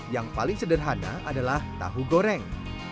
yang paling sederhana adalah tahu goreng